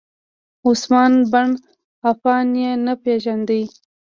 عثمان بن عفان یې نه پیژاند.